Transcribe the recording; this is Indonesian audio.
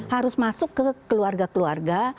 harus masuk ke keluarga keluarga